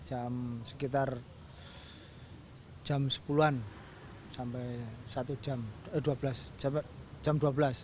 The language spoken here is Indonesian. jam sekitar jam sepuluh an sampai jam dua belas